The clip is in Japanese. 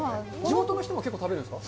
地元の人は結構食べるんですか。